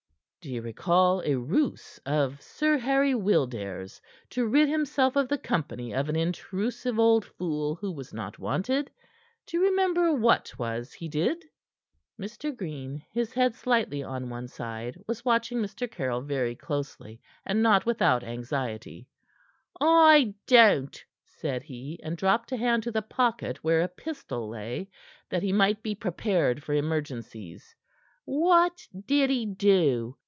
"D'ye recall a ruse of Sir Harry Wildairs to rid himself of the company of an intrusive old fool who was not wanted? D'ye remember what 'twas he did?" Mr. Green, his head slightly on one side, was watching Mr. Caryll very closely, and not without anxiety. "I don't," said he, and dropped a hand to the pocket where a pistol lay, that he might be prepared for emergencies. "What did he do?"